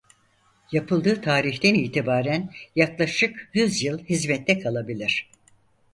Yapıldığı tarihten itibaren yaklaşık yüz yıl hizmette kalabilir.